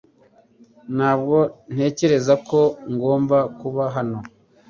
Ntabwo ntekereza ko ngomba kuba hano .